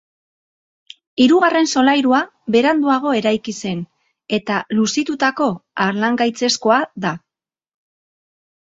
Hirugarren solairua beranduago eraiki zen eta luzitutako harlangaitzezkoa da.